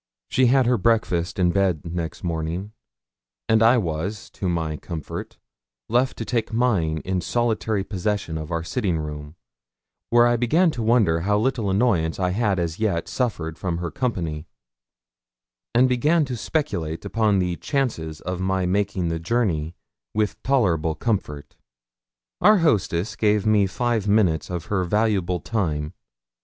She had her breakfast in bed next morning, and I was, to my comfort, left to take mine in solitary possession of our sitting room; where I began to wonder how little annoyance I had as yet suffered from her company, and began to speculate upon the chances of my making the journey with tolerable comfort. Our hostess gave me five minutes of her valuable time.